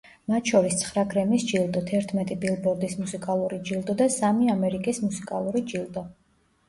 მათ შორის ცხრა გრემის ჯილდო, თერთმეტი ბილბორდის მუსიკალური ჯილდო და სამი ამერიკის მუსიკალური ჯილდო.